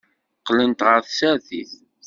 Qqlent ɣer tsertit.